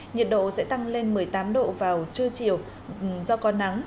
nhiệt độ sẽ tăng lên một mươi tám độ vào trưa chiều do có nắng